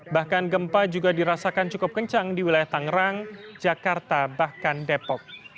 bahkan gempa juga dirasakan cukup kencang di wilayah tangerang jakarta bahkan depok